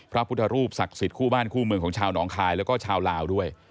พระพุทธรูปศักดิ์สิทธิ์คู่บ้านคู่เมืองของชาวหนองคายแล้วก็ชาวลาวด้วย